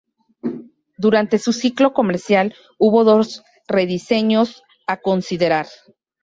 Durante su ciclo comercial hubo dos rediseños a considerar.